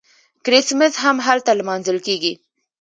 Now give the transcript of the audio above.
کریسمس هم هلته لمانځل کیږي.